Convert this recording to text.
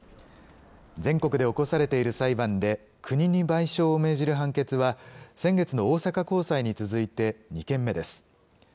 全国で起こされている裁判で国に賠償を命じる判決は、先月の大阪高裁に続いて２件目です。